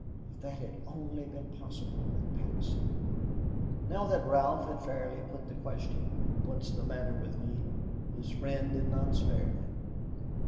If that had only been possible with Patsy! Now that Ralph had fairly put the question, "What's the matter with me?" his friend did not spare him.